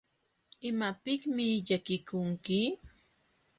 ¿Imapiqmi llakikunki?